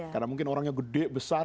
karena mungkin orangnya gede besar